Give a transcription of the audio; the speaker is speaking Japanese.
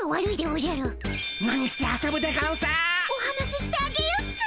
お話ししてあげよっか？